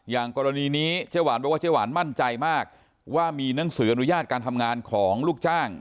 กรณีนี้เจ๊หวานบอกว่าเจ๊หวานมั่นใจมากว่ามีหนังสืออนุญาตการทำงานของลูกจ้าง